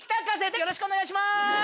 よろしくお願いします。